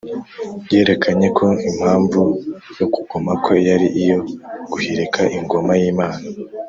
Yerekanye ko impamvu yo kugoma kwe yari iyo guhirika Ingoma y’Imana,